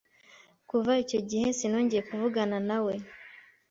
kuva icyo gihe sinongeye kuvugana nawe